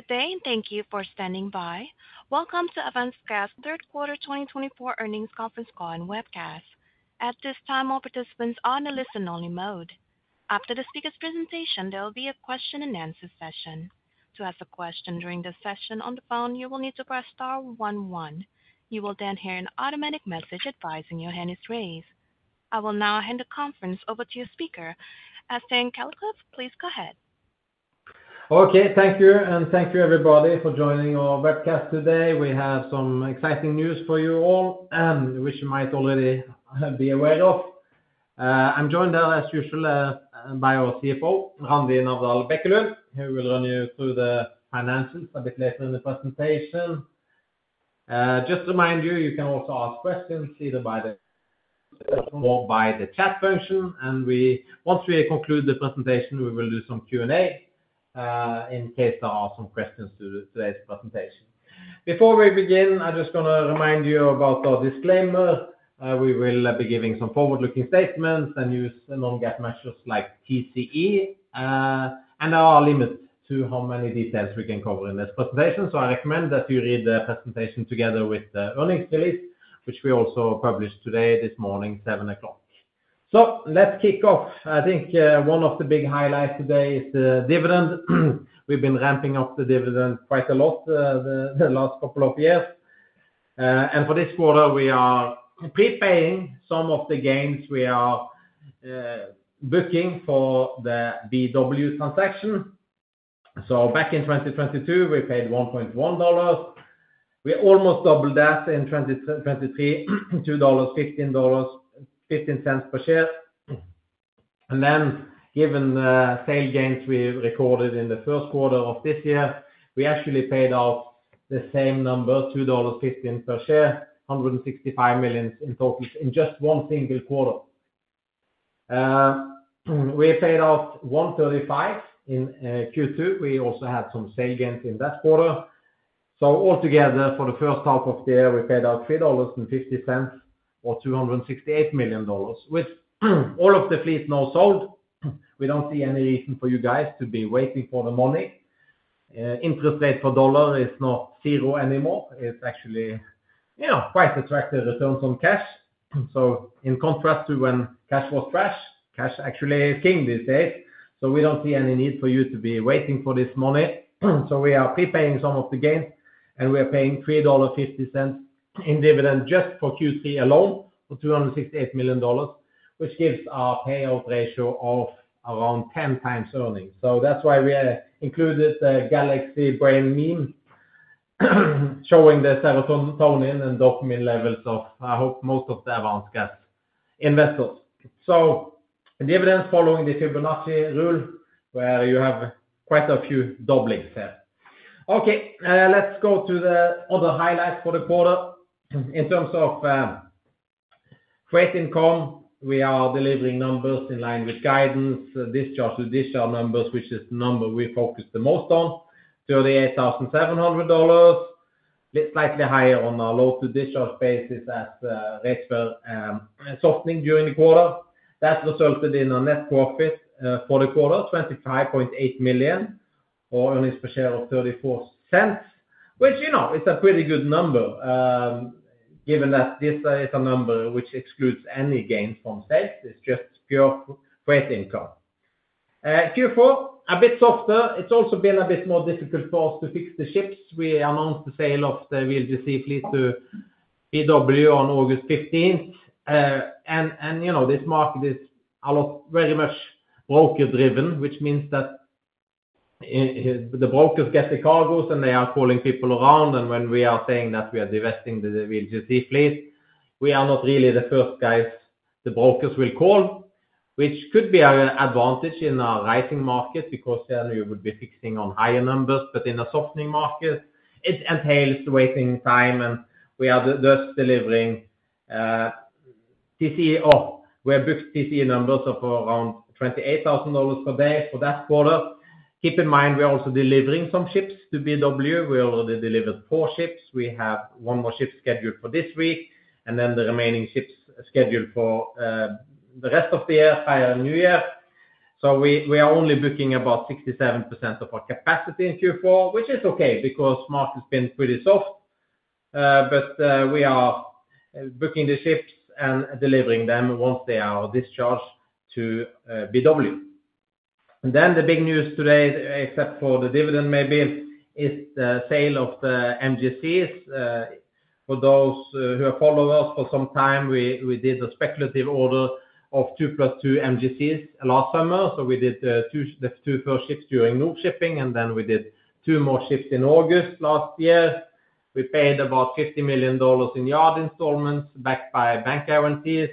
Good day, and thank you for standing by. Welcome to Avance Gas third quarter 2024 earnings conference call and webcast. At this time, all participants are on a listen-only mode. After the speaker's presentation, there will be a question-and-answer session. To ask a question during the session on the phone, you will need to press star one one. You will then hear an automatic message advising your hand is raised. I will now hand the conference over to your speaker. Øystein Kalleklev, please go ahead. Okay, thank you, and thank you everybody for joining our webcast today. We have some exciting news for you all, which you might already be aware of. I'm joined now, as usual, by our CFO, Randi Navdal Bekkelund. He will run you through the financials a bit later in the presentation. Just to remind you, you can also ask questions either by the chat function, and once we conclude the presentation, we will do some Q&A in case there are some questions to today's presentation. Before we begin, I'm just going to remind you about our disclaimer. We will be giving some forward-looking statements and use non-GAAP measures like TCE, and there are limits to how many details we can cover in this presentation. I recommend that you read the presentation together with the earnings release, which we also published today, this morning, 7:00 A.M. Let's kick off. I think one of the big highlights today is the dividend. We've been ramping up the dividend quite a lot the last couple of years, and for this quarter, we are prepaying some of the gains we are booking for the BW transaction, so back in 2022, we paid $1.1. We almost doubled that in 2023, $2.15 per share, and then, given the sale gains we recorded in the first quarter of this year, we actually paid out the same number, $2.15 per share, $165 million in total in just one single quarter. We paid out $135 in Q2. We also had some sale gains in that quarter, so altogether, for the first half of the year, we paid out $3.50 or $268 million, which, all of the fleet now sold, we don't see any reason for you guys to be waiting for the money. Interest rate for dollar is not zero anymore. It's actually quite attractive returns on cash. So in contrast to when cash was trash, cash actually is king these days. So we don't see any need for you to be waiting for this money. So we are prepaying some of the gains, and we are paying $3.50 in dividend just for Q3 alone for $268 million, which gives our payout ratio of around 10 times earnings. So that's why we included the Galaxy Brain meme showing the serotonin and dopamine levels of, I hope, most of the Avance Gas investors. So dividends following the Fibonacci rule, where you have quite a few doublings here. Okay, let's go to the other highlights for the quarter. In terms of rate income, we are delivering numbers in line with guidance, discharge-to-discharge numbers, which is the number we focus the most on, $38,700, slightly higher on our load-to-discharge basis as rates were softening during the quarter. That resulted in a net profit for the quarter, $25.8 million or earnings per share of $0.34, which is a pretty good number given that this is a number which excludes any gains from sales. It's just pure rate income. Q4, a bit softer. It's also been a bit more difficult for us to fix the ships. We announced the sale of the VLGC fleet to BW on August 15, and this market is very much broker-driven, which means that the brokers get the cargos and they are calling people around. When we are saying that we are divesting the VLGC fleet, we are not really the first guys the brokers will call, which could be an advantage in a rising market because then you would be fixing on higher numbers. In a softening market, it entails waiting time. We are thus delivering TCE or we have booked TCE numbers of around $28,000 per day for that quarter. Keep in mind, we're also delivering some ships to BW. We already delivered four ships. We have one more ship scheduled for this week, and then the remaining ships scheduled for the rest of the year prior to New Year. We are only booking about 67% of our capacity in Q4, which is okay because the market's been pretty soft. We are booking the ships and delivering them once they are discharged to BW. Then the big news today, except for the dividend maybe, is the sale of the MGCs. For those who have followed us for some time, we did a speculative order of two plus two MGCs last summer. So we did the two first ships during Nor-Shipping, and then we did two more ships in August last year. We paid about $50 million in yard installments backed by bank guarantees.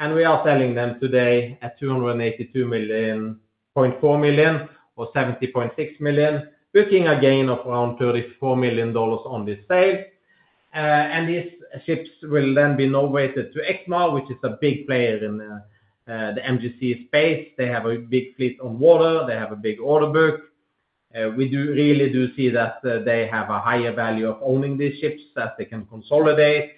And we are selling them today at $282.4 million or $70.6 million, booking a gain of around $34 million on this sale. And these ships will then be now delivered to Exmar, which is a big player in the MGC space. They have a big fleet on water. They have a big order book. We really do see that they have a higher value of owning these ships as they can consolidate.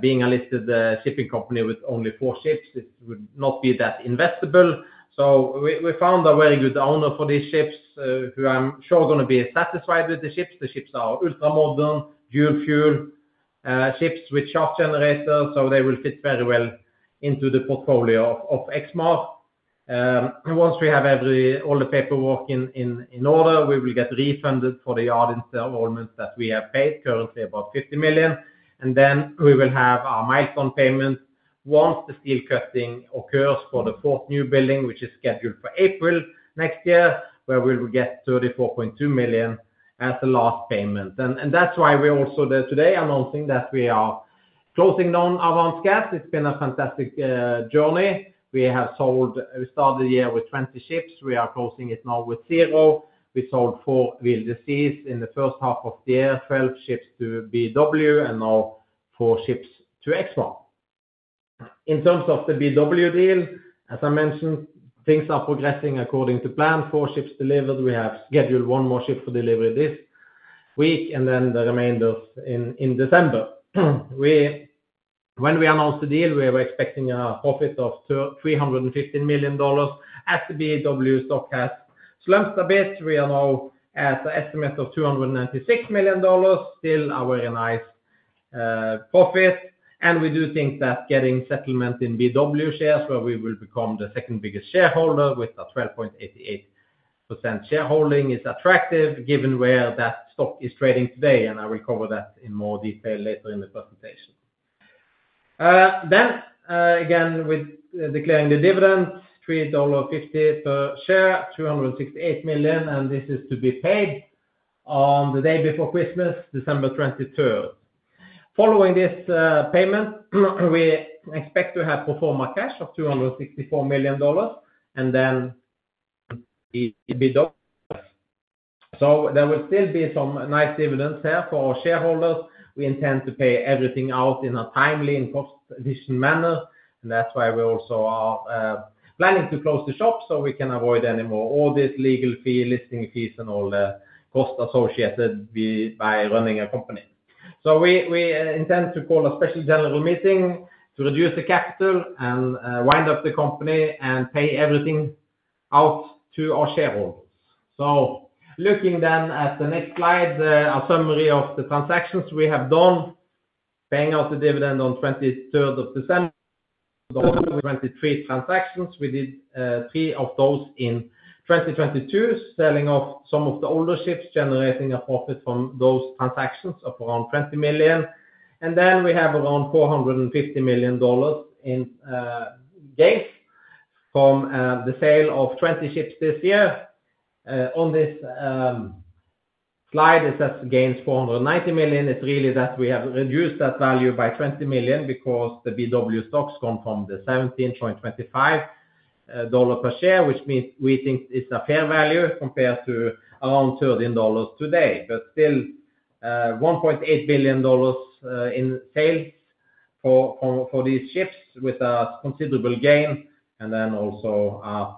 Being a listed shipping company with only four ships, it would not be that investable. So we found a very good owner for these ships who I'm sure are going to be satisfied with the ships. The ships are ultra modern, dual fuel ships with shaft generators, so they will fit very well into the portfolio of Exmar. Once we have all the paperwork in order, we will get refunded for the yard installments that we have paid, currently about $50 million. And then we will have our milestone payment once the steel cutting occurs for the fourth new building, which is scheduled for April next year, where we will get $34.2 million as the last payment. And that's why we're also today announcing that we are closing down Avance Gas. It's been a fantastic journey. We started the year with 20 ships. We are closing it now with zero. We sold four VLGCs in the first half of the year, 12 ships to BW, and now four ships to Exmar. In terms of the BW deal, as I mentioned, things are progressing according to plan. Four ships delivered. We have scheduled one more ship for delivery this week, and then the remainder in December. When we announced the deal, we were expecting a profit of $315 million, as the BW stock has slumped a bit. We are now at an estimate of $296 million. Still, a very nice profit. And we do think that getting settlement in BW shares, where we will become the second biggest shareholder with a 12.88% shareholding, is attractive given where that stock is trading today. And I will cover that in more detail later in the presentation. Then, again, we're declaring the dividend, $3.50 per share, $268 million. This is to be paid on the day before Christmas, December 23rd. Following this payment, we expect to have pro forma cash of $264 million and then BW. There will still be some nice dividends here for our shareholders. We intend to pay everything out in a timely and cost-efficient manner. That's why we also are planning to close the shop so we can avoid any more audit, legal fee, listing fees, and all the costs associated with running a company. We intend to call a special general meeting to reduce the capital and wind up the company and pay everything out to our shareholders. Looking then at the next slide, a summary of the transactions we have done, paying out the dividend on the 23rd of December. We had 23 transactions. We did three of those in 2022, selling off some of the older ships, generating a profit from those transactions of around $20 million, and then we have around $450 million in gains from the sale of 20 ships this year. On this slide, it says gains $490 million. It's really that we have reduced that value by $20 million because the BW stocks come from the $17.25 per share, which we think is a fair value compared to around $13 today, but still, $1.8 billion in sales for these ships with a considerable gain, and then also a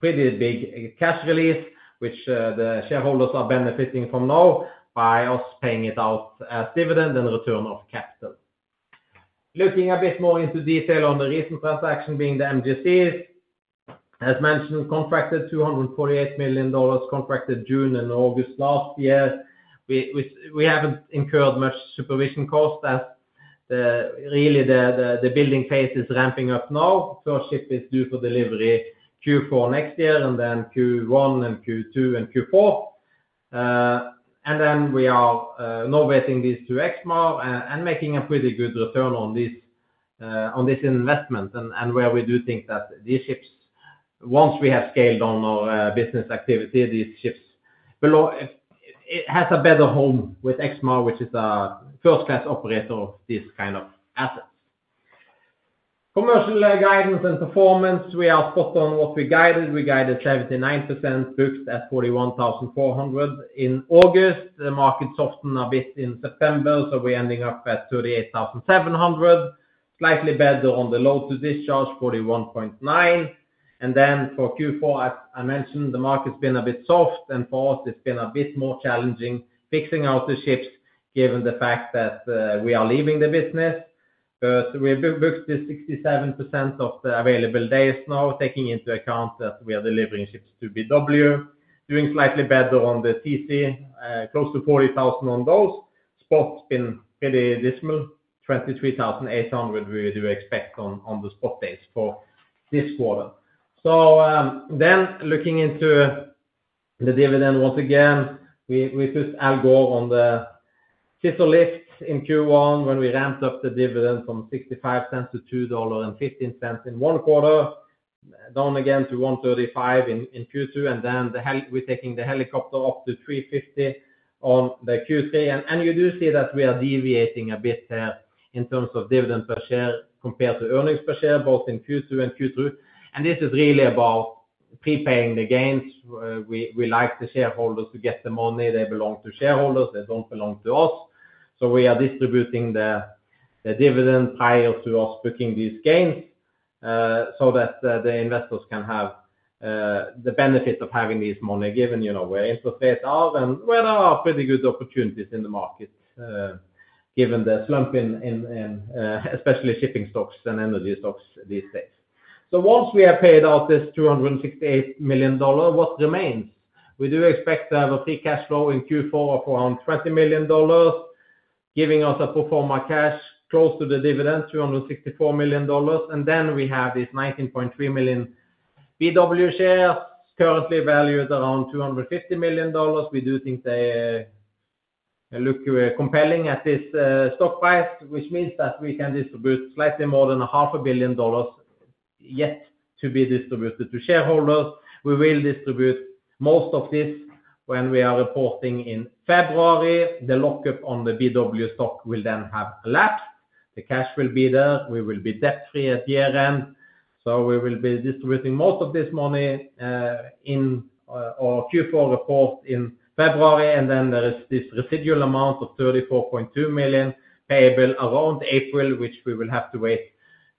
pretty big cash release, which the shareholders are benefiting from now by us paying it out as dividend and return of capital. Looking a bit more into detail on the recent transaction being the MGCs, as mentioned, contracted $248 million, contracted June and August last year. We haven't incurred much supervision cost as really the building phase is ramping up now. First ship is due for delivery Q4 next year, and then Q1 and Q2 and Q4. And then we are now chartering these to Exmar and making a pretty good return on this investment. And where we do think that these ships, once we have scaled on our business activity, these ships will have a better home with Exmar, which is a first-class operator of this kind of assets. Commercial guidance and performance, we are spot on what we guided. We guided 79%, booked at $41,400 in August. The market softened a bit in September, so we're ending up at $38,700, slightly better on the load-to-discharge, $41.9. And then for Q4, as I mentioned, the market's been a bit soft, and for us, it's been a bit more challenging fixing out the ships given the fact that we are leaving the business. But we've booked 67% of the available days now, taking into account that we are delivering ships to BW, doing slightly better on the TC, close to $40,000 on those. Spot's been pretty dismal, $23,800 we do expect on the spot days for this quarter. So then looking into the dividend once again, we put Al Gore on the sizzle list in Q1 when we ramped up the dividend from $0.65-$2.15 in one quarter, down again to $1.35 in Q2. And then we're taking the dividend up to $3.50 on the Q3. You do see that we are deviating a bit here in terms of dividend per share compared to earnings per share, both in Q2 and Q3. This is really about prepaying the gains. We like the shareholders to get the money. They belong to shareholders. They don't belong to us. We are distributing the dividend prior to us booking these gains so that the investors can have the benefit of having this money given where interest rates are and where there are pretty good opportunities in the market given the slump in especially shipping stocks and energy stocks these days. Once we have paid out this $268 million, what remains? We do expect to have a free cash flow in Q4 of around $20 million, giving us a pro forma cash close to the dividend, $264 million. Then we have these $19.3 million BW shares currently valued around $250 million. We do think they look compelling at this stock price, which means that we can distribute slightly more than $500 million yet to be distributed to shareholders. We will distribute most of this when we are reporting in February. The lockup on the BW stock will then have elapsed. The cash will be there. We will be debt-free at year-end. So we will be distributing most of this money in our Q4 report in February. And then there is this residual amount of $34.2 million payable around April, which we will have to wait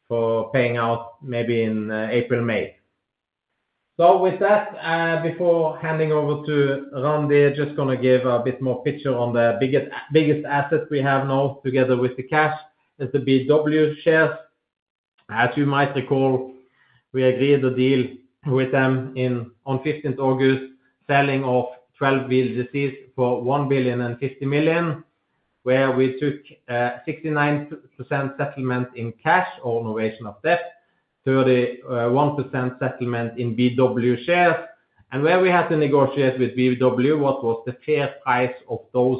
for paying out maybe in April, May. So with that, before handing over to Randi, I'm just going to give a bit more picture on the biggest asset we have now together with the cash is the BW shares. As you might recall, we agreed a deal with them on 15th August, selling off 12 VLGCs for $1 billion and $50 million, where we took 69% settlement in cash or novation of debt, 31% settlement in BW shares. And where we had to negotiate with BW, what was the fair price of those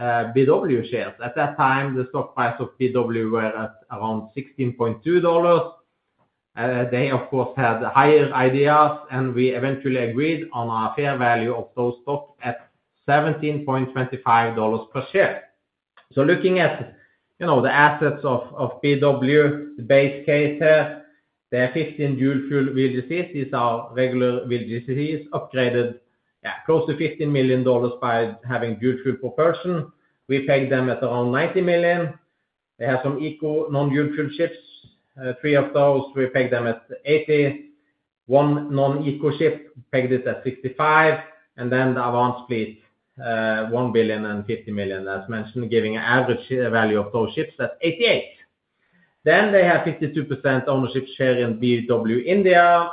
BW shares? At that time, the stock price of BW were at around $16.2. They, of course, had higher ideas, and we eventually agreed on a fair value of those stocks at $17.25 per share. So looking at the assets of BW, the base case here, they're 15 dual fuel VLGCs. These are regular VLGCs upgraded close to $15 million by having dual fuel propulsion. We paid them at around $90 million. They have some eco non-dual fuel ships, three of those. We paid them at $80. One non-eco ship paid it at $65. And then the Avance fleet, $1 billion and $50 million, as mentioned, giving an average value of those ships at $88. Then they have 52% ownership share in BW India.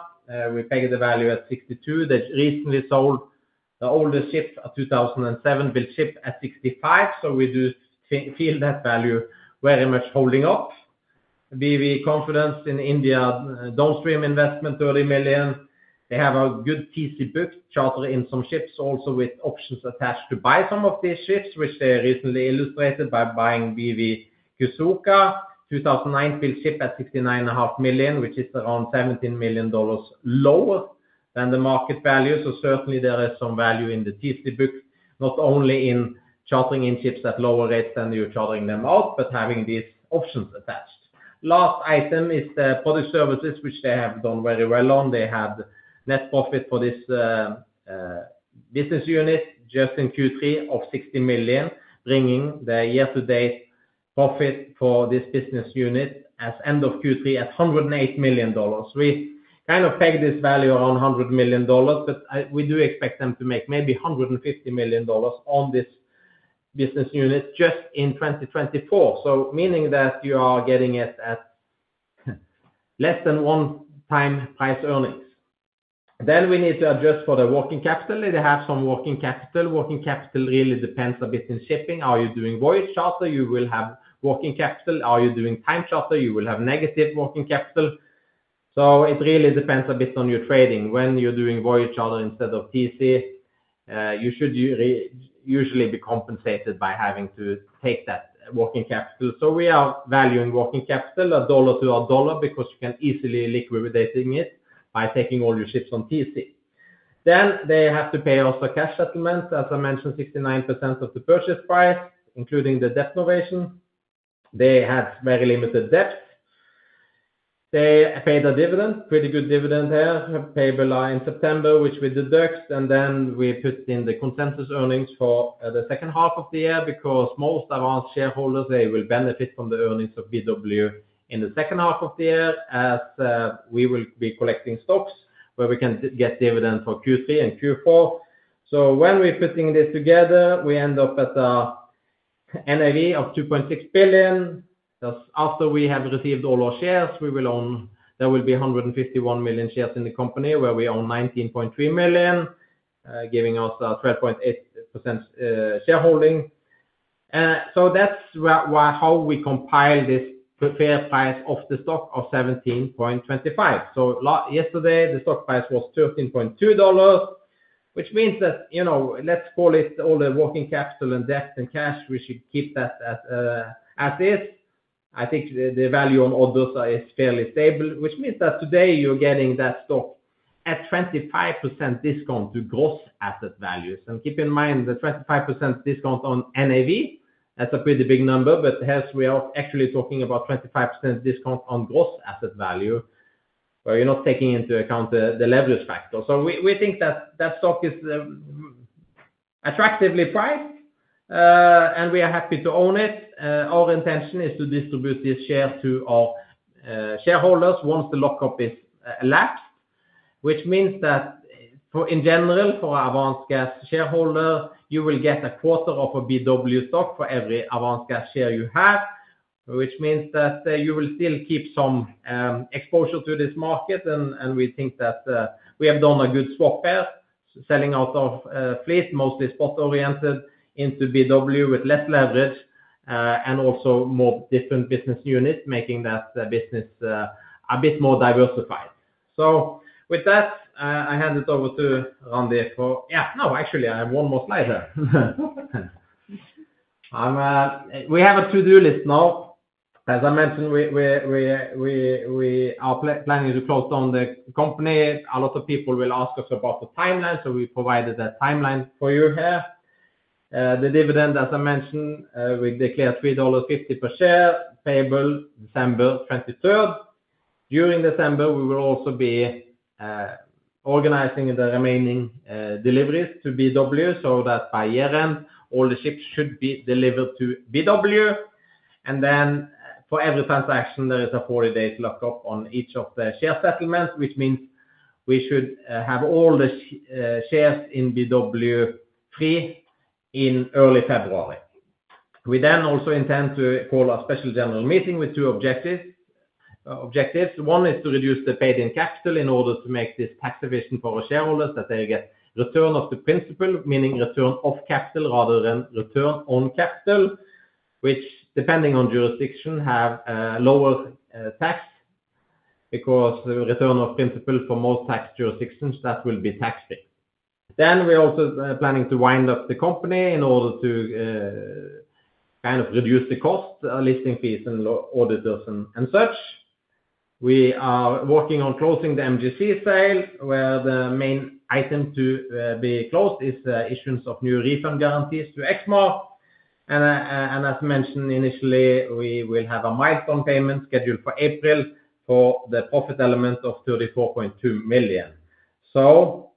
We paid the value at $62. They recently sold the oldest ship, a 2007-built ship at $65. So we do feel that value very much holding up. BW Confidence in India, downstream investment, $30 million. They have a good TC booked, chartered in some ships, also with options attached to buy some of these ships, which they recently illustrated by buying Gas Yusuka, 2009-built ship at $69.5 million, which is around $17 million lower than the market value. So certainly, there is some value in the TC booked, not only in chartering in ships at lower rates than you're chartering them out, but having these options attached. Last item is the product services, which they have done very well on. They had net profit for this business unit just in Q3 of $60 million, bringing the year-to-date profit for this business unit as end of Q3 at $108 million. We kind of pegged this value around $100 million, but we do expect them to make maybe $150 million on this business unit just in 2024, so meaning that you are getting it at less than one-time price earnings. Then we need to adjust for the working capital. They have some working capital. Working capital really depends a bit in shipping. Are you doing voyage charter? You will have working capital. Are you doing time charter? You will have negative working capital. So it really depends a bit on your trading. When you're doing voyage charter instead of TC, you should usually be compensated by having to take that working capital. So we are valuing working capital a dollar to a dollar because you can easily liquidate it by taking all your ships on TC. Then they have to pay us a cash settlement, as I mentioned, 69% of the purchase price, including the debt novation. They had very limited debt. They paid a dividend, pretty good dividend here, payable in September, which we deduct. And then we put in the consensus earnings for the second half of the year because most Avance shareholders, they will benefit from the earnings of BW in the second half of the year as we will be collecting stocks where we can get dividend for Q3 and Q4. So when we're putting this together, we end up at an NAV of $2.6 billion. After we have received all our shares, there will be 151 million shares in the company where we own 19.3 million, giving us a 12.8% shareholding. That's how we compile this fair price of the stock of $17.25. Yesterday, the stock price was $13.2, which means that, let's call it all the working capital and debt and cash, we should keep that as is. I think the value on orders is fairly stable, which means that today you're getting that stock at 25% discount to gross asset values. Keep in mind the 25% discount on NAV, that's a pretty big number, but here we are actually talking about 25% discount on gross asset value where you're not taking into account the leverage factor. We think that that stock is attractively priced, and we are happy to own it. Our intention is to distribute this share to our shareholders once the lockup is elapsed, which means that in general, for an Avance Gas shareholder, you will get a quarter of a BW stock for every Avance Gas share you have, which means that you will still keep some exposure to this market, and we think that we have done a good swap there, selling out of fleet, mostly spot-oriented into BW with less leverage and also more different business units, making that business a bit more diversified, so with that, I hand it over to Randi. No, actually, I have one more slide here. We have a to-do list now. As I mentioned, our plan is to close down the company. A lot of people will ask us about the timeline, so we provided that timeline for you here. The dividend, as I mentioned, we declare $3.50 per share, payable December 23rd. During December, we will also be organizing the remaining deliveries to BW so that by year-end, all the ships should be delivered to BW, and then for every transaction, there is a 40-day lockup on each of the share settlements, which means we should have all the shares in BW free in early February. We then also intend to call a special general meeting with two objectives. One is to reduce the paid-in capital in order to make this tax efficient for our shareholders that they get return of the principal, meaning return of capital rather than return on capital, which, depending on jurisdiction, have lower tax because return of principal for most tax jurisdictions that will be tax-free. Then we're also planning to wind up the company in order to kind of reduce the cost, listing fees, and auditors and such. We are working on closing the MGC sale where the main item to be closed is the issuance of new refund guarantees to Exmar, and as mentioned initially, we will have a milestone payment scheduled for April for the profit element of $34.2 million, so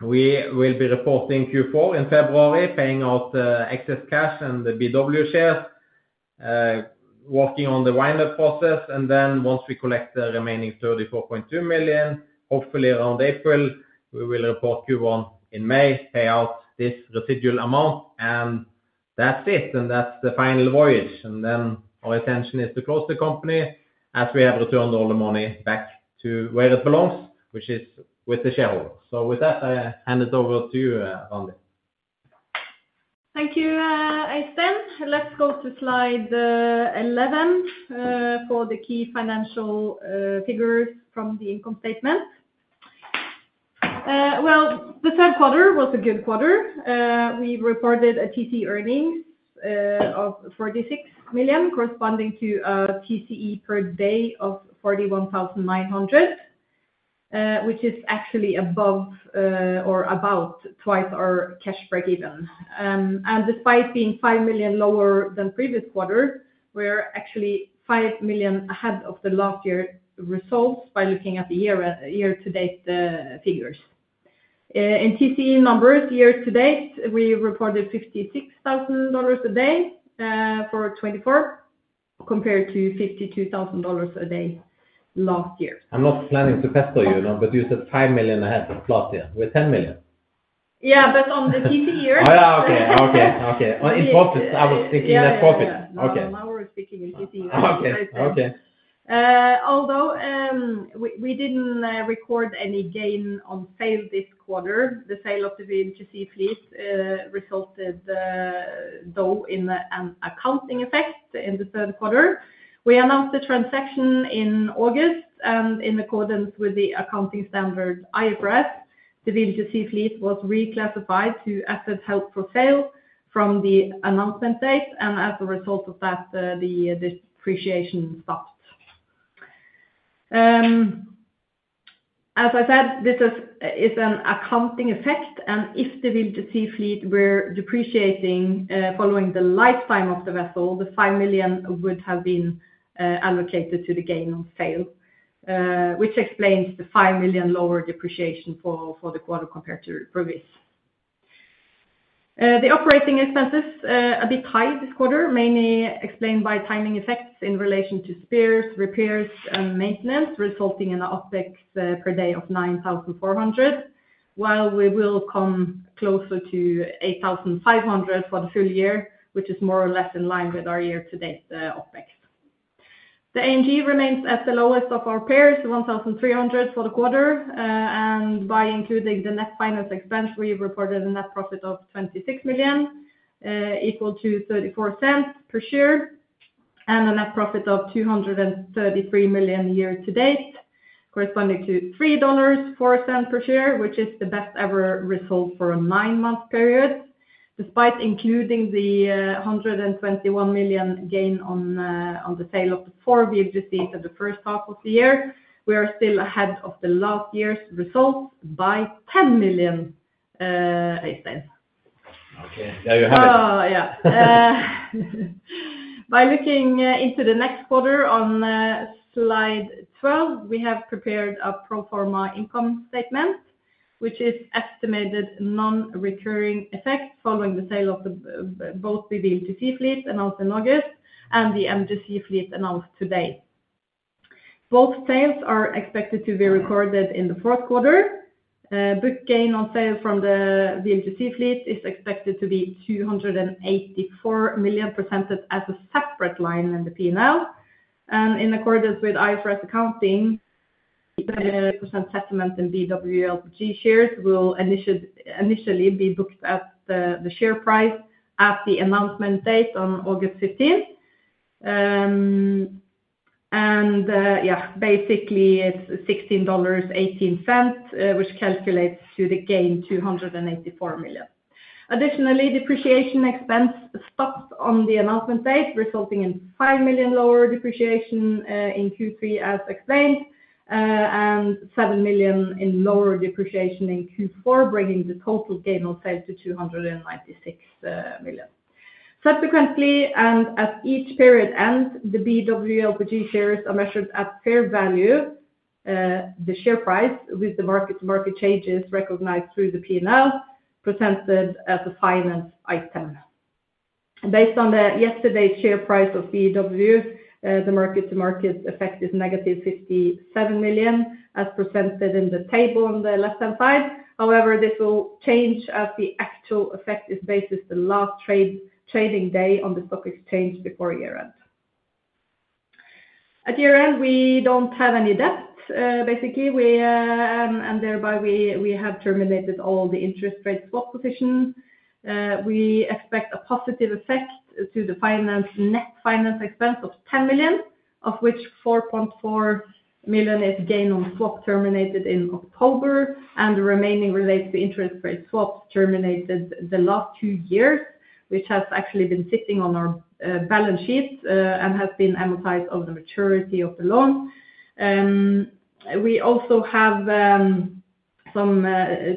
we will be reporting Q4 in February, paying out excess cash and the BW shares, working on the windup process, and then once we collect the remaining $34.2 million, hopefully around April, we will report Q1 in May, pay out this residual amount, and that's it, and that's the final voyage, and then our intention is to close the company as we have returned all the money back to where it belongs, which is with the shareholders. So with that, I hand it over to you, Randi. Thank you, Øystein. Let's go to slide 11 for the key financial figures from the income statement. Well, the third quarter was a good quarter. We reported a TC earnings of $46 million, corresponding to a TCE per day of $41,900, which is actually above or about twice our cash break-even. And despite being $5 million lower than previous quarter, we're actually $5 million ahead of the last year results by looking at the year-to-date figures. In TCE numbers, year-to-date, we reported $56,000 a day for 2024 compared to $52,000 a day last year. I'm not planning to pester you, but you said $5 million ahead of last year. We're $10 million. Yeah, but on the TCE year. Oh, yeah, okay. Okay. In profits, I was thinking net profits. Okay. Now we're speaking in TCE years. Okay. Okay. Although we didn't record any gain on sale this quarter, the sale of the MGC fleet resulted, though, in an accounting effect in the third quarter. We announced the transaction in August, and in accordance with the accounting standard IFRS, the MGC fleet was reclassified to asset held for sale from the announcement date, and as a result of that, the depreciation stopped. As I said, this is an accounting effect, and if the MGC fleet were depreciating following the lifetime of the vessel, the $5 million would have been allocated to the gain on sale, which explains the $5 million lower depreciation for the quarter compared to previous. The operating expenses are a bit high this quarter, mainly explained by timing effects in relation to spares, repairs, and maintenance, resulting in an OpEx per day of $9,400, while we will come closer to $8,500 for the full year, which is more or less in line with our year-to-date OpEx. The A&G remains at the lowest of our peers, $1,300 for the quarter. And by including the net finance expense, we reported a net profit of $26 million, equal to $0.34 per share, and a net profit of $233 million year-to-date, corresponding to $3.04 per share, which is the best-ever result for a nine-month period. Despite including the $121 million gain on the sale of the four MGCs at the first half of the year, we are still ahead of the last year's results by $10 million, Øystein. Okay. There you have it. Yeah. By looking into the next quarter on slide 12, we have prepared a pro forma income statement, which is estimated non-recurring effect following the sale of both the VLGC fleet announced in August and the MGC fleet announced today. Both sales are expected to be recorded in the fourth quarter. Book gain on sale from the VLGC fleet is expected to be $284 million, presented as a separate line in the P&L, and in accordance with IFRS accounting, the 28% settlement in BW LPG shares will initially be booked at the share price at the announcement date on August 15, and yeah, basically, it's $16.18, which calculates to the gain $284 million. Additionally, depreciation expense stopped on the announcement date, resulting in $5 million lower depreciation in Q3, as explained, and $7 million in lower depreciation in Q4, bringing the total gain on sale to $296 million. Subsequently, and at each period end, the BW LPG shares are measured at fair value, the share price, with the mark-to-market changes recognized through the P&L, presented as a finance item. Based on yesterday's share price of BW, the mark-to-market effect is negative $57 million, as presented in the table on the left-hand side. However, this will change as the actual effect is based on the last trading day on the stock exchange before year-end. At year-end, we don't have any debt, basically, and thereby, we have terminated all the interest rate swap positions. We expect a positive effect to the net finance expense of $10 million, of which $4.4 million is gain on swap terminated in October, and the remaining relates to interest rate swaps terminated the last two years, which has actually been sitting on our balance sheet and has been amortized over the maturity of the loan. We also have some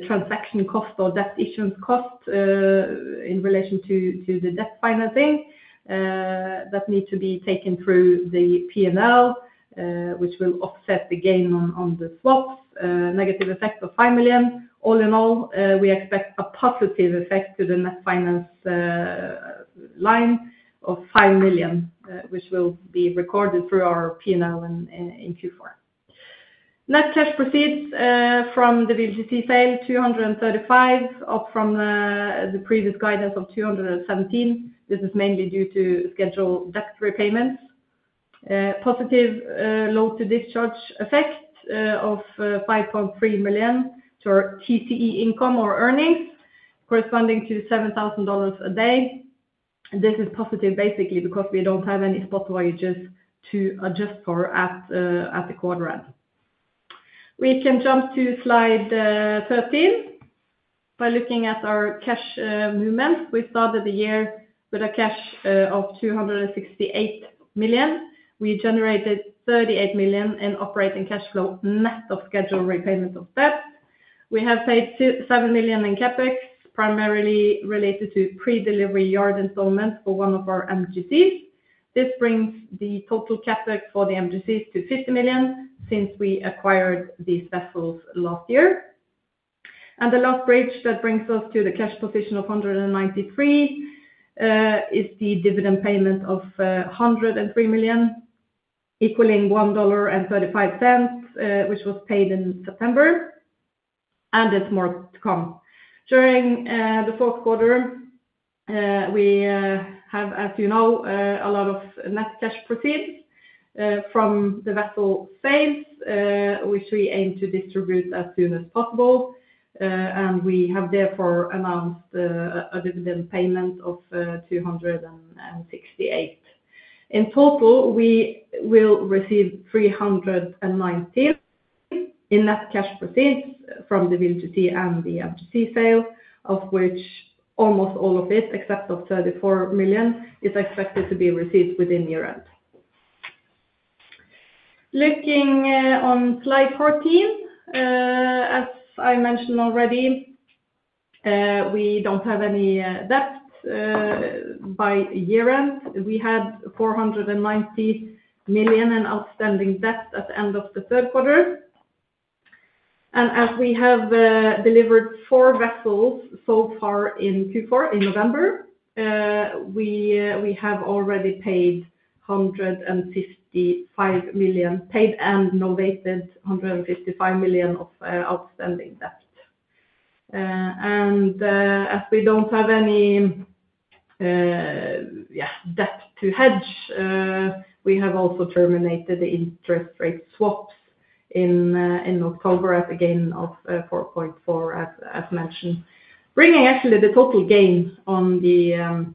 transaction costs or debt issuance costs in relation to the debt financing that need to be taken through the P&L, which will offset the gain on the swaps, negative effect of $5 million. All in all, we expect a positive effect to the net finance line of $5 million, which will be recorded through our P&L in Q4. Net cash proceeds from the MGC sale, $235 million, up from the previous guidance of $217 million. This is mainly due to scheduled debt repayments. Positive load-to-discharge effect of $5.3 million to our TCE income or earnings, corresponding to $7,000 a day. This is positive, basically, because we don't have any spot voyages to adjust for at the quarter end. We can jump to slide 13. By looking at our cash movements, we started the year with a cash of $268 million. We generated $38 million in operating cash flow net of scheduled repayments of debt. We have paid $7 million in CapEx, primarily related to pre-delivery yard installments for one of our MGCs. This brings the total CapEx for the MGCs to $50 million since we acquired these vessels last year, and the last bridge that brings us to the cash position of $193 is the dividend payment of $103 million, equaling $1.35, which was paid in September, and there's more to come. During the fourth quarter, we have, as you know, a lot of net cash proceeds from the vessel sales, which we aim to distribute as soon as possible. And we have therefore announced a dividend payment of $268. In total, we will receive $319 in net cash proceeds from the VLGC and the MGC sale, of which almost all of it, except of $34 million, is expected to be received within year-end. Looking on slide 14, as I mentioned already, we don't have any debt by year-end. We had $490 million in outstanding debt at the end of the third quarter. And as we have delivered four vessels so far in Q4, in November, we have already paid $155 million, paid and novated $155 million of outstanding debt. And as we don't have any debt to hedge, we have also terminated the interest rate swaps in October at a gain of $4.4, as mentioned, bringing actually the total gain on the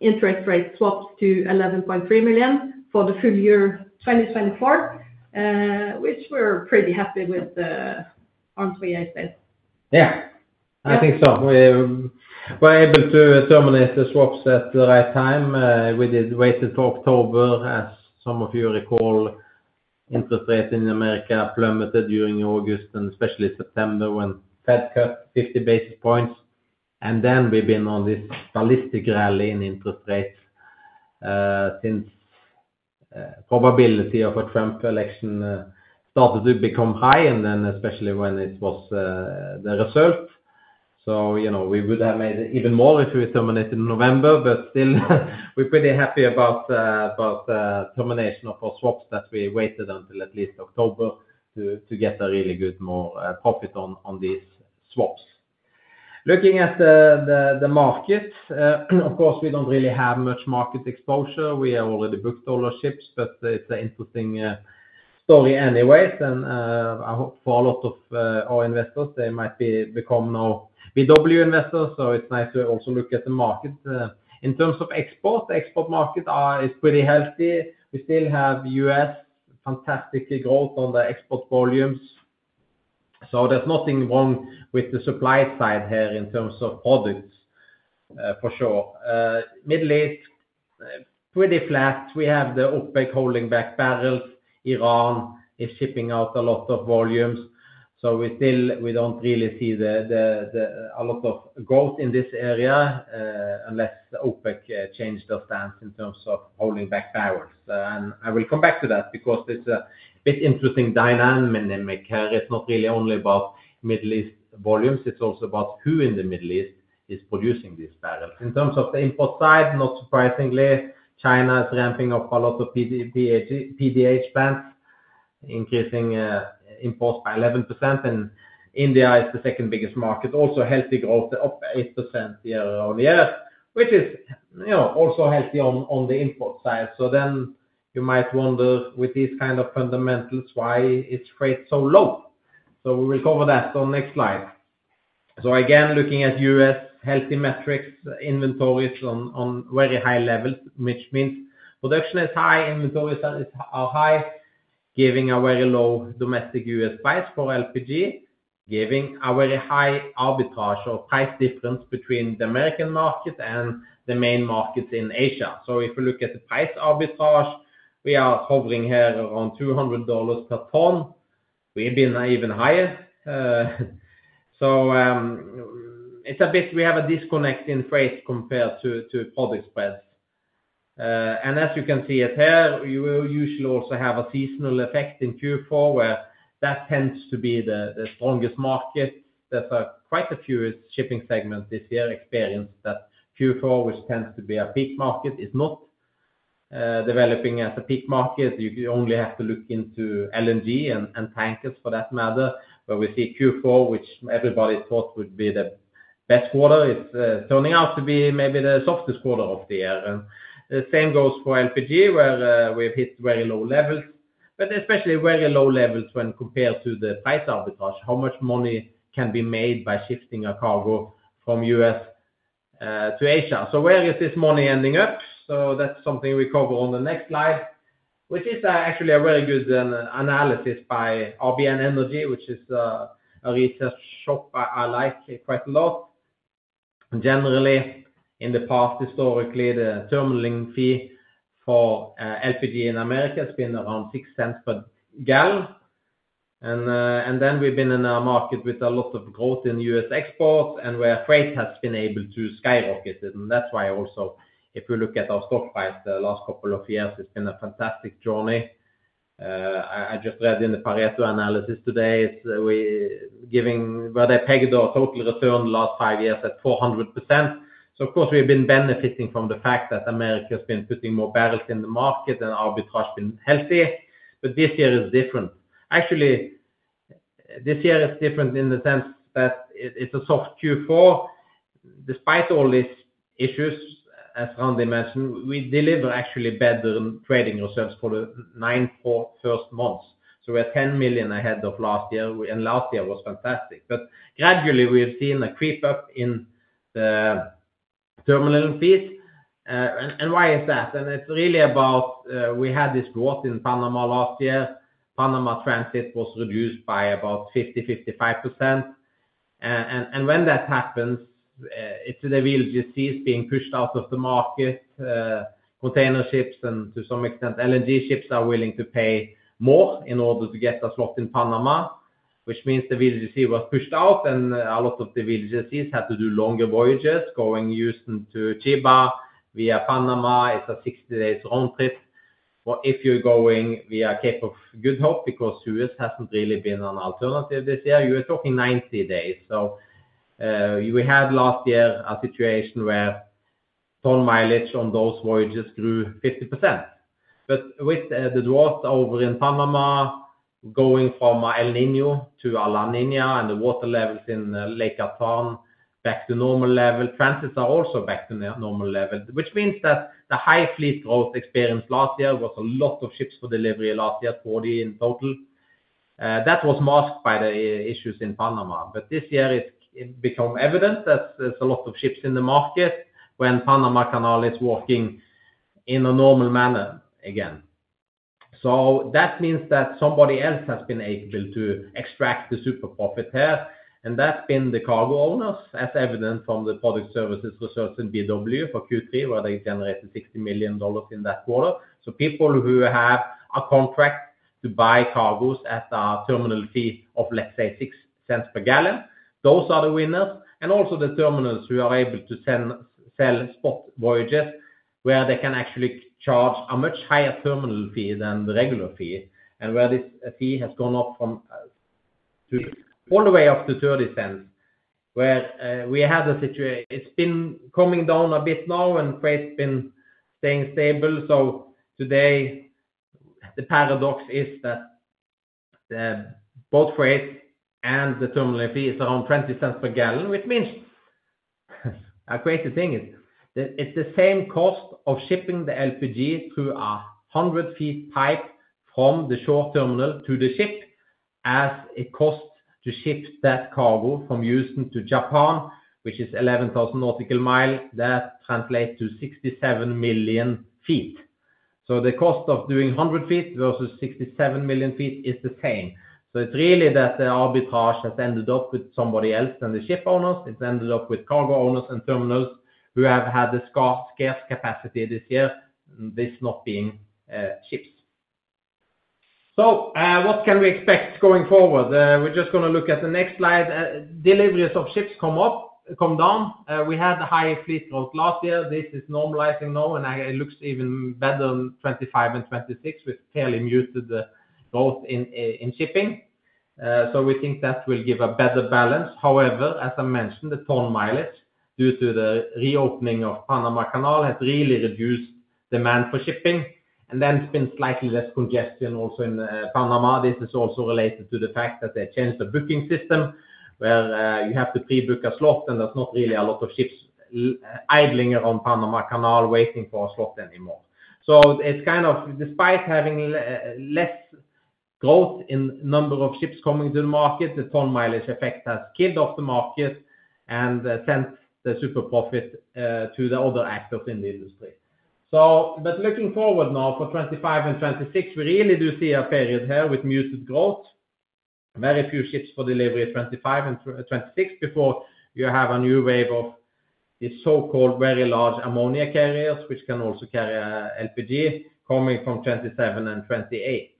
interest rate swaps to $11.3 million for the full year 2024, which we're pretty happy with, aren't we, Øystein? Yeah, I think so. We were able to terminate the swaps at the right time. We did wait until October, as some of you recall. Interest rates in America plummeted during August, and especially September when the Fed cut 50 basis points, and then we've been on this ballistic rally in interest rates since the probability of a Trump election started to become high, and then especially when it was the result. So we would have made it even more if we terminated in November, but still, we're pretty happy about the termination of our swaps that we waited until at least October to get a really good more profit on these swaps. Looking at the market, of course, we don't really have much market exposure. We have already booked all our ships, but it's an interesting story anyway. And I hope for a lot of our investors, they might become now VLGC investors, so it's nice to also look at the market. In terms of export, the export market is pretty healthy. We still have U.S. fantastic growth on the export volumes. So there's nothing wrong with the supply side here in terms of products for sure. Middle East, pretty flat. We have the OPEC holding back barrels. Iran is shipping out a lot of volumes. So we don't really see a lot of growth in this area unless OPEC changed their stance in terms of holding back barrels. And I will come back to that because it's a bit interesting dynamic here. It's not really only about Middle East volumes. It's also about who in the Middle East is producing these barrels. In terms of the import side, not surprisingly, China is ramping up a lot of PDH plants, increasing imports by 11%. And India is the second biggest market, also healthy growth, up 8% year-on-year, which is also healthy on the import side. So then you might wonder, with these kinds of fundamentals, why is freight so low? So we will cover that on the next slide. So again, looking at U.S. healthy metrics, inventories on very high levels, which means production is high, inventories are high, giving a very low domestic U.S. price for LPG, giving a very high arbitrage or price difference between the American market and the main markets in Asia. So if we look at the price arbitrage, we are hovering here around $200 per ton. We've been even higher. So it's a bit we have a disconnect in freight compared to product spreads. And as you can see it here, you will usually also have a seasonal effect in Q4, where that tends to be the strongest market. There's quite a few shipping segments this year experienced that Q4, which tends to be a peak market, is not developing as a peak market. You only have to look into LNG and tankers for that matter, where we see Q4, which everybody thought would be the best quarter, is turning out to be maybe the softest quarter of the year, and the same goes for LPG, where we've hit very low levels, but especially very low levels when compared to the price arbitrage, how much money can be made by shifting a cargo from U.S. to Asia, so where is this money ending up, so that's something we cover on the next slide, which is actually a very good analysis by RBN Energy, which is a research shop I like quite a lot. Generally, in the past, historically, the terminal fee for LPG in America has been around $0.06 per gallon, and then we've been in a market with a lot of growth in U.S. exports, and where freight has been able to skyrocket. That's why also, if we look at our stock price the last couple of years, it's been a fantastic journey. I just read in the Pareto analysis today, where they pegged our total return the last five years at 400%. So of course, we've been benefiting from the fact that America has been putting more barrels in the market and arbitrage has been healthy. But this year is different. Actually, this year is different in the sense that it's a soft Q4. Despite all these issues, as Randi mentioned, we deliver actually better trading results for the nine first months. So we're $10 million ahead of last year, and last year was fantastic. But gradually, we've seen a creep up in the terminal fees. And why is that? And it's really about we had this growth in Panama last year. Panama Transit was reduced by about 50%-55%. And when that happens, it's the VLGCs being pushed out of the market. Container ships, and to some extent, LNG ships are willing to pay more in order to get a slot in Panama, which means the VLGC was pushed out, and a lot of the VLGCs had to do longer voyages going Houston to Chiba via Panama. It's a 60-day round trip. But if you're going via Cape of Good Hope, because the U.S. hasn't really been an alternative this year, you're talking 90 days. So we had last year a situation where tonnage on those voyages grew 50%. But with the growth over in Panama going from El Niño to La Niña and the water levels in Gatun Lake back to normal level, transits are also back to normal level, which means that the high fleet growth experienced last year was a lot of ships for delivery last year, 40 in total. That was masked by the issues in Panama, but this year, it's become evident that there's a lot of ships in the market when Panama Canal is working in a normal manner again, so that means that somebody else has been able to extract the super profit here, and that's been the cargo owners, as evident from the product services results in BW for Q3, where they generated $60 million in that quarter, so people who have a contract to buy cargoes at a terminal fee of, let's say, $0.06 per gallon, those are the winners. Also, the terminals who are able to sell spot voyages, where they can actually charge a much higher terminal fee than the regular fee, and where this fee has gone up from all the way up to $0.30, where we had a situation it's been coming down a bit now, and freight's been staying stable. Today, the paradox is that both freight and the terminal fee is around $0.20 per gallon, which means a crazy thing is it's the same cost of shipping the LPG through a 100-foot pipe from the shore terminal to the ship as it costs to ship that cargo from Houston to Japan, which is 11,000 nautical miles. That translates to 67 million feet. The cost of doing 100 feet versus 67 million feet is the same. It's really that the arbitrage has ended up with somebody else than the ship owners. It's ended up with cargo owners and terminals who have had the scarce capacity this year, this not being ships. So what can we expect going forward? We're just going to look at the next slide. Deliveries of ships come up, come down. We had a high fleet growth last year. This is normalizing now, and it looks even better in 2025 and 2026 with fairly muted growth in shipping. So we think that will give a better balance. However, as I mentioned, the tonnage due to the reopening of Panama Canal has really reduced demand for shipping. And then it's been slightly less congestion also in Panama. This is also related to the fact that they changed the booking system, where you have to pre-book a slot, and there's not really a lot of ships idling around Panama Canal waiting for a slot anymore. It's kind of, despite having less growth in the number of ships coming to the market, the tonnage effect has killed off the market and sent the super profit to the other actors in the industry. But looking forward now for 2025 and 2026, we really do see a period here with muted growth, very few ships for delivery 2025 and 2026 before you have a new wave of these so-called very large ammonia carriers, which can also carry LPG, coming from 2027 and 2028.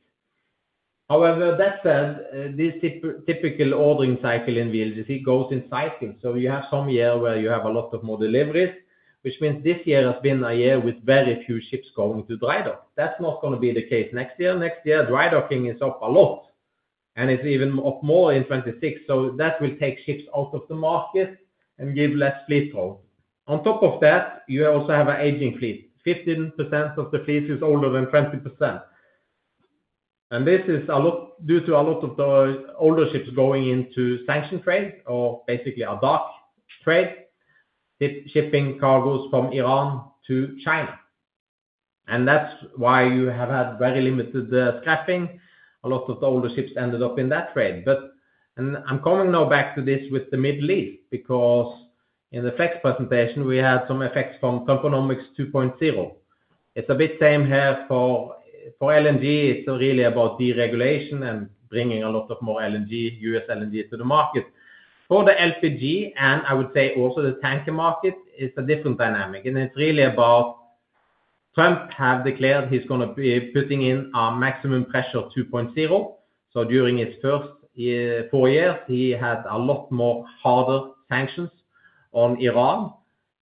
However, that said, this typical ordering cycle in VLGC goes in cycles. So you have some year where you have a lot of more deliveries, which means this year has been a year with very few ships going to dry dock. That's not going to be the case next year. Next year, dry docking is up a lot, and it's even up more in 2026. So that will take ships out of the market and give less fleet growth. On top of that, you also have an aging fleet. 15% of the fleet is older than 20 years. And this is due to a lot of the older ships going into sanctioned trade, or basically a dark fleet, shipping cargoes from Iran to China. And that's why you have had very limited scrapping. A lot of the older ships ended up in that trade. But I'm coming now back to this with the Middle East because in the Flex presentation, we had some effects from Trumponomics 2.0. It's a bit same here for LNG. It's really about deregulation and bringing a lot of more LNG, U.S. LNG, to the market. For the LPG, and I would say also the tanker market, it's a different dynamic. And it's really about Trump has declared he's going to be putting in a maximum pressure 2.0. So during his first four years, he had a lot more harder sanctions on Iran.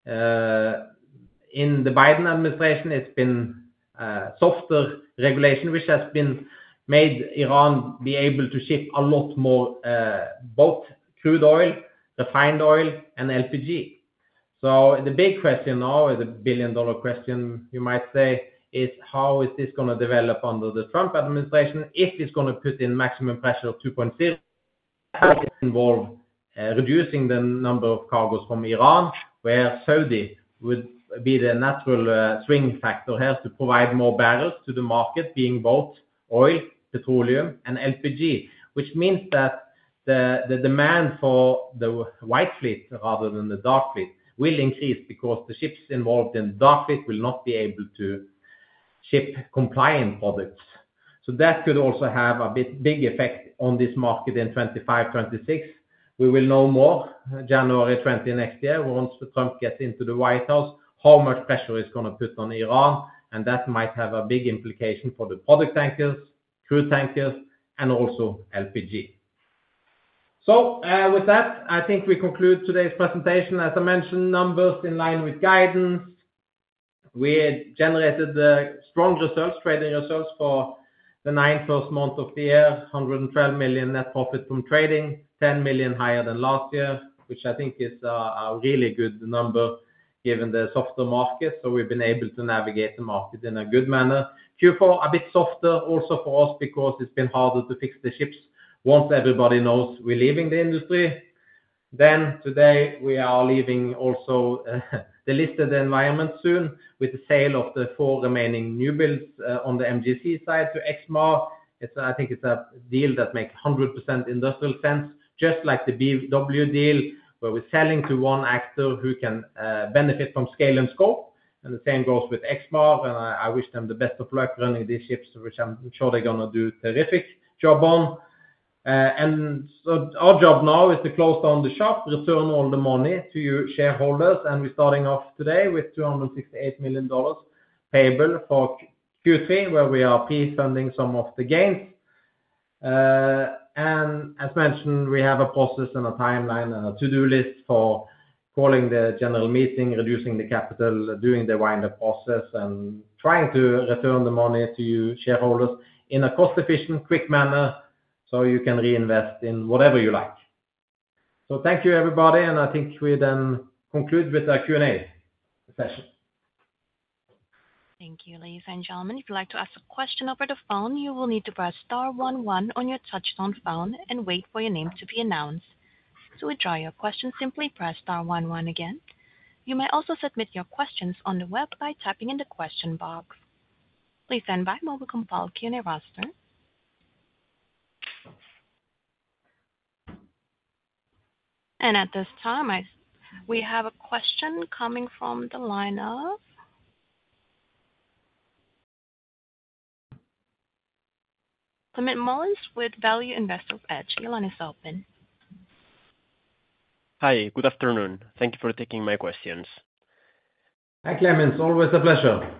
In the Biden administration, it's been softer regulation, which has made Iran be able to ship a lot more both crude oil, refined oil, and LPG. So the big question now is a billion-dollar question, you might say, is how is this going to develop under the Trump administration if he's going to put in maximum pressure 2.0? How does it involve reducing the number of cargoes from Iran, where Saudi would be the natural swing factor here to provide more barrels to the market, being both oil, petroleum, and LPG, which means that the demand for the white fleet rather than the dark fleet will increase because the ships involved in the dark fleet will not be able to ship compliant products, so that could also have a big effect on this market in 2025, 2026. We will know more January 20 next year once Trump gets into the White House how much pressure he's going to put on Iran, and that might have a big implication for the product tankers, crude tankers, and also LPG, so with that, I think we conclude today's presentation. As I mentioned, numbers in line with guidance. We generated the strong results, trading results for the nine first months of the year, $112 million net profit from trading, $10 million higher than last year, which I think is a really good number given the softer market. So we've been able to navigate the market in a good manner. Q4, a bit softer also for us because it's been harder to fix the ships once everybody knows we're leaving the industry. Then today, we are leaving also the listed environment soon with the sale of the four remaining new builds on the MGC side to Exmar. I think it's a deal that makes 100% industrial sense, just like the BW deal, where we're selling to one actor who can benefit from scale and scope. And the same goes with Exmar. And I wish them the best of luck running these ships, which I'm sure they're going to do a terrific job on. And so our job now is to close down the shop, return all the money to your shareholders. And we're starting off today with $268 million payable for Q3, where we are pre-funding some of the gains. And as mentioned, we have a process and a timeline and a to-do list for calling the general meeting, reducing the capital, doing the wider process, and trying to return the money to you shareholders in a cost-efficient, quick manner so you can reinvest in whatever you like. So thank you, everybody. And I think we then conclude with our Q&A session. Thank you, ladies and gentlemen. If you'd like to ask a question over the phone, you will need to press star one one on your touch-tone phone and wait for your name to be announced. To withdraw your question, simply press star one one again. You may also submit your questions on the web by typing in the question box. Please stand by while we compile Q&A roster. At this time, we have a question coming from the line of Climent Molins with Value Investors Edge. Line is open. Hi, good afternoon. Thank you for taking my questions. Hi, Climent. Always a pleasure.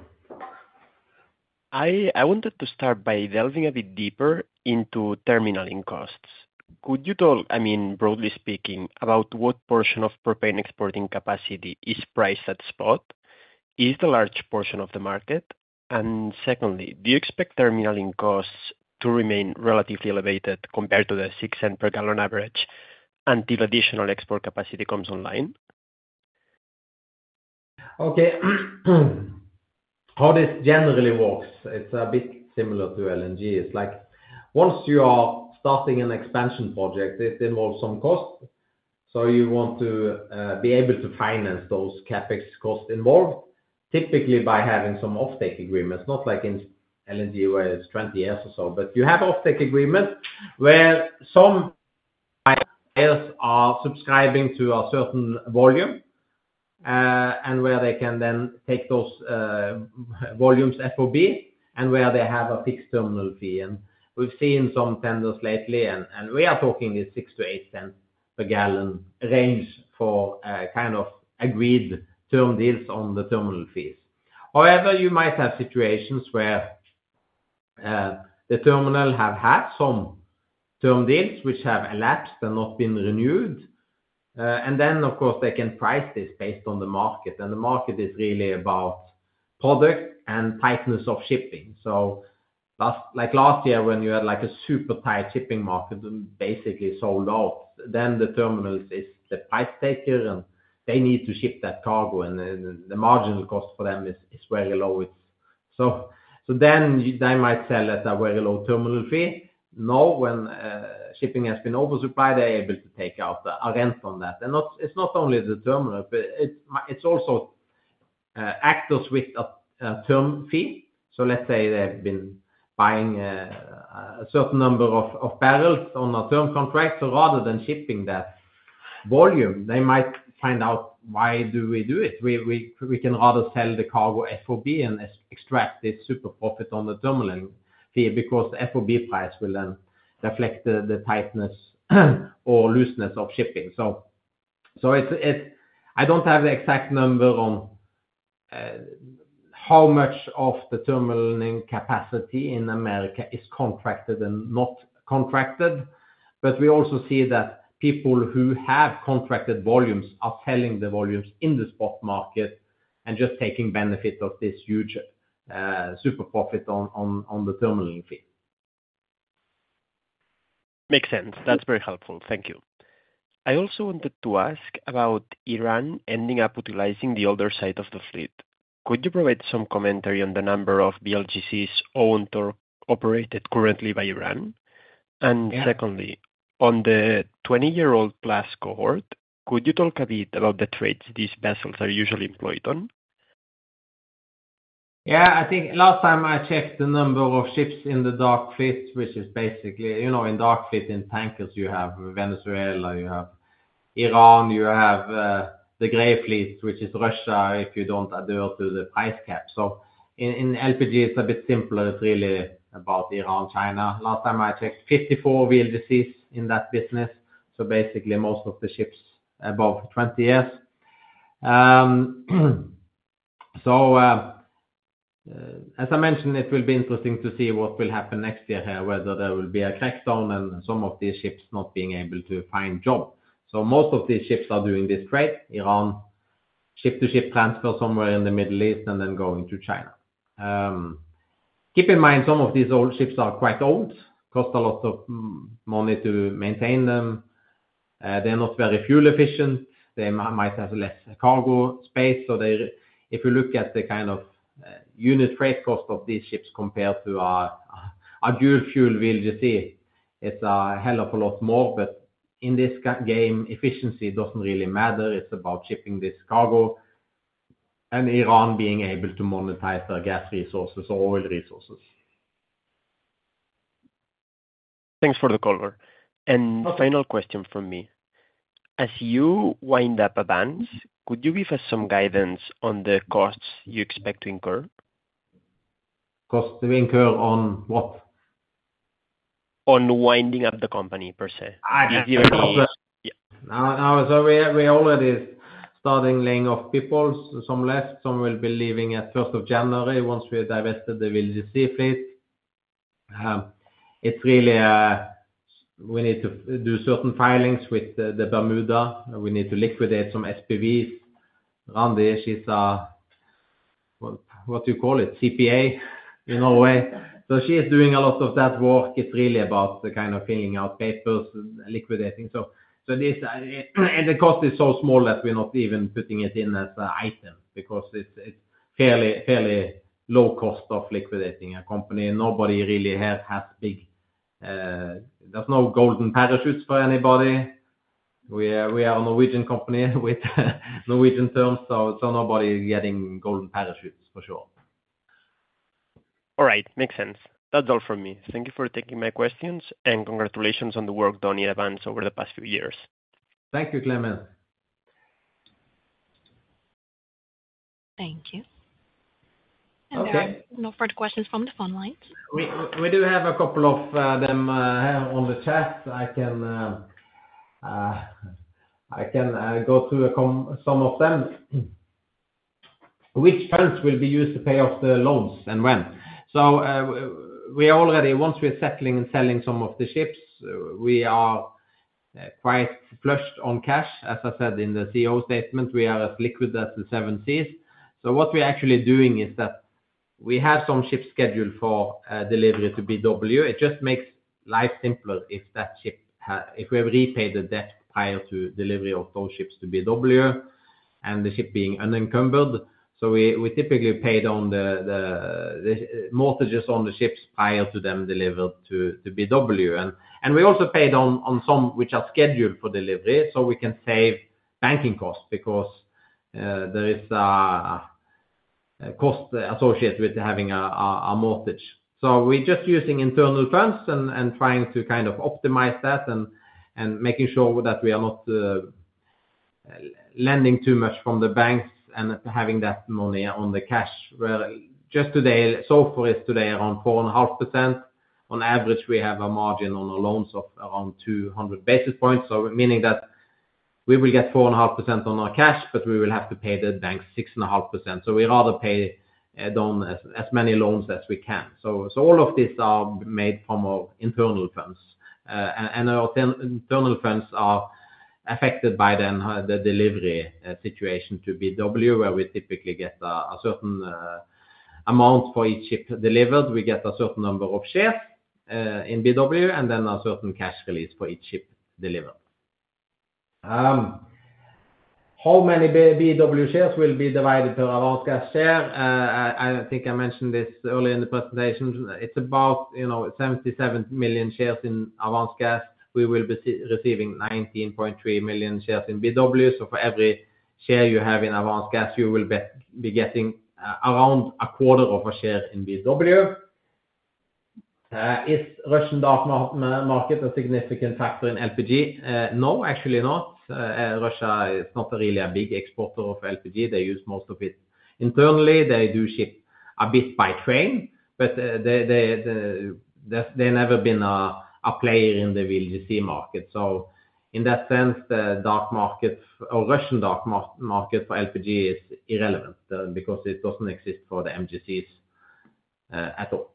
I wanted to start by delving a bit deeper into terminal costs. Could you talk, I mean, broadly speaking, about what portion of propane exporting capacity is priced at spot? Is the large portion of the market? Secondly, do you expect terminal costs to remain relatively elevated compared to the $0.06 per gallon average until additional export capacity comes online? Okay. How this generally works, it's a bit similar to LNG. It's like once you are starting an expansion project, it involves some costs. So you want to be able to finance those CapEx costs involved, typically by having some offtake agreements, not like in LNG where it's 20 years or so, but you have offtake agreements where some buyers are subscribing to a certain volume and where they can then take those volumes FOB and where they have a fixed terminal fee. We've seen some tenders lately, and we are talking this $0.06-$0.08 per gallon range for kind of agreed term deals on the terminal fees. However, you might have situations where the terminal has had some term deals which have elapsed and not been renewed, and then, of course, they can price this based on the market, and the market is really about product and tightness of shipping, so like last year, when you had like a super tight shipping market and basically sold out, then the terminal is the price taker and they need to ship that cargo and the marginal cost for them is very low, so then they might sell at a very low terminal fee. Now, when shipping has been oversupplied, they're able to take out a rent on that, and it's not only the terminal, but it's also actors with a term fee, so let's say they've been buying a certain number of barrels on a term contract. Rather than shipping that volume, they might find out why do we do it. We can rather sell the cargo FOB and extract this super profit on the terminal fee because the FOB price will then reflect the tightness or looseness of shipping. I don't have the exact number on how much of the terminal capacity in America is contracted and not contracted. But we also see that people who have contracted volumes are selling the volumes in the spot market and just taking benefit of this huge super profit on the terminal fee. Makes sense. That's very helpful. Thank you. I also wanted to ask about Iran ending up utilizing the older side of the fleet. Could you provide some commentary on the number of VLGCs owned or operated currently by Iran? And secondly, on the 20-year-old plus cohort, could you talk a bit about the trades these vessels are usually employed on? Yeah, I think last time I checked the number of ships in the dark fleet, which is basically in dark fleet in tankers, you have Venezuela, you have Iran, you have the gray fleet, which is Russia if you don't adhere to the price cap. So in LPG, it's a bit simpler. It's really about Iran, China. Last time I checked, 54 VLGCs in that business. So basically most of the ships above 20 years. So as I mentioned, it will be interesting to see what will happen next year here, whether there will be a crackdown and some of these ships not being able to find jobs. So most of these ships are doing this trade, Iran ship-to-ship transfer somewhere in the Middle East and then going to China. Keep in mind, some of these old ships are quite old, cost a lot of money to maintain them. They're not very fuel efficient. They might have less cargo space. So if you look at the kind of unit freight cost of these ships compared to a dual fuel VLGC, it's a hell of a lot more. But in this game, efficiency doesn't really matter. It's about shipping this cargo and Iran being able to monetize their gas resources or oil resources. Thanks for the call. And final question from me. As you wind up Avance, could you give us some guidance on the costs you expect to incur? Costs to incur on what? On winding up the company per se. If you're any... Yeah. No, so we're already starting laying off people. Some left. Some will be leaving at 1st of January. Once we've divested the VLGC fleet, it's really we need to do certain filings with the Bermuda. We need to liquidate some SPVs. Randi, she's a... What do you call it? CPA in Norway. So she's doing a lot of that work. It's really about the kind of filling out papers, liquidating. So the cost is so small that we're not even putting it in as an item because it's a fairly low cost of liquidating a company. Nobody really has big... There's no golden parachutes for anybody. We are a Norwegian company with Norwegian terms. So nobody is getting golden parachutes for sure. All right. Makes sense. That's all from me. Thank you for taking my questions and congratulations on the work done in Avance over the past few years. Thank you, Climent. Thank you, and there are no further questions from the phone lines. We do have a couple of them here on the chat. I can go through some of them. Which funds will be used to pay off the loans and when, so we are already, once we're settling and selling some of the ships, we are quite flush with cash. As I said in the CEO statement, we are as liquid as the Seven Seas, so what we're actually doing is that we have some ships scheduled for delivery to BW. It just makes life simpler if that ship, if we have repaid the debt prior to delivery of those ships to BW and the ship being unencumbered, so we typically paid on the mortgages on the ships prior to them delivered to BW. We also paid on some which are scheduled for delivery so we can save banking costs because there is a cost associated with having a mortgage. So we're just using internal funds and trying to kind of optimize that and making sure that we are not lending too much from the banks and having that money on the cash. Just today, SOFR is today around 4.5%. On average, we have a margin on our loans of around 200 basis points. So meaning that we will get 4.5% on our cash, but we will have to pay the bank 6.5%. So we rather pay down as many loans as we can. So all of these are made from our internal funds. And our internal funds are affected by then the delivery situation to BW, where we typically get a certain amount for each ship delivered. We get a certain number of shares in BW and then a certain cash release for each ship delivered. How many BW shares will be divided per Avance Gas share? I think I mentioned this earlier in the presentation. It's about 77 million shares in Avance Gas. We will be receiving 19.3 million shares in BW. So for every share you have in Avance Gas, you will be getting around a quarter of a share in BW. Is Russian dark fleet a significant factor in LPG? No, actually not. Russia is not really a big exporter of LPG. They use most of it internally. They do ship a bit by train, but they never been a player in the VLGC market. So in that sense, the dark fleet or Russian dark fleet for LPG is irrelevant because it doesn't exist for the MGCs at all.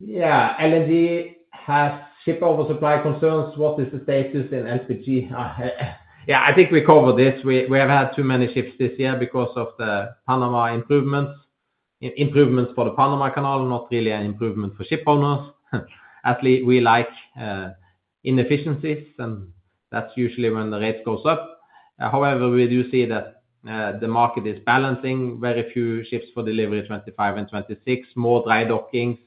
Yeah, LNG has ship oversupply concerns. What is the status in LPG? Yeah, I think we covered this. We have had too many ships this year because of the Panama improvements. Improvements for the Panama Canal, not really an improvement for ship owners. At least we like inefficiencies, and that's usually when the rates go up. However, we do see that the market is balancing, very few ships for delivery in 2025 and 2026, more dry dockings.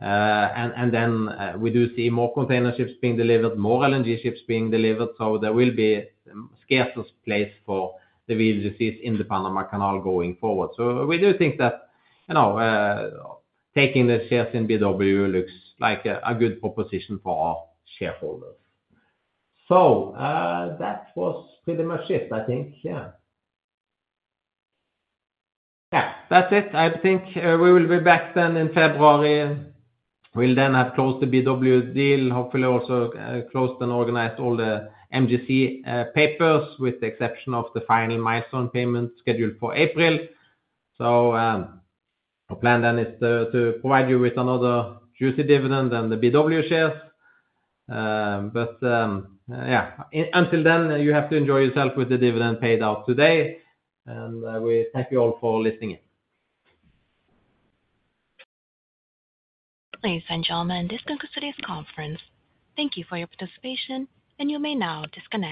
And then we do see more container ships being delivered, more LNG ships being delivered. So there will be scarcer place for the VLGCs in the Panama Canal going forward. So we do think that taking the shares in BW looks like a good proposition for our shareholders. So that was pretty much it, I think. Yeah. Yeah, that's it. I think we will be back then in February. We'll then have closed the BW deal, hopefully also closed and organized all the MGC papers with the exception of the final milestone payment scheduled for April. So our plan then is to provide you with another juicy dividend and the BW shares. But yeah, until then, you have to enjoy yourself with the dividend paid out today. And we thank you all for listening in. Ladies and gentlemen, this concludes today's conference. Thank you for your participation, and you may now disconnect.